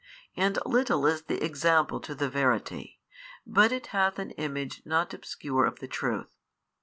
And little is the example to the verity, but it hath an image not obscure of the truth.